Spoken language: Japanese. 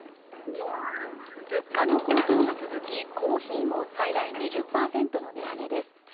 物価の高騰が続きコーヒーも最大２０％の値上げです。